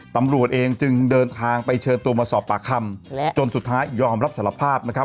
ตำรวจเองจึงเดินทางไปเชิญตัวมาสอบปากคำจนสุดท้ายยอมรับสารภาพนะครับ